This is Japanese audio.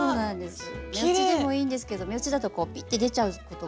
目打ちでもいいんですけど目打ちだとピッて出ちゃうことが。